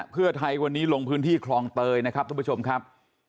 เพื่อไทยวันนี้ลงพื้นที่คลองเตยนะครับทุกผู้ชมครับ